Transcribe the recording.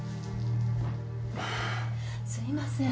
すいません